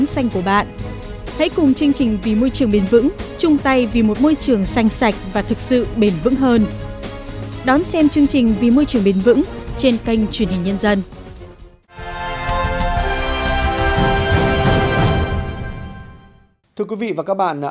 thưa quý vị và các bạn